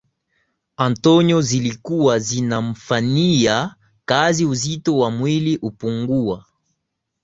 Antonio zilikuwa zinamfanyia kazi uzito wa mwili upungua